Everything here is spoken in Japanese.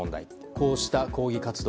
こうした抗議活動